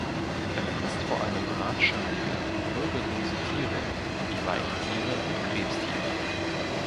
Er frisst vor allem hartschalige, wirbellose Tiere, wie Weichtiere und Krebstiere.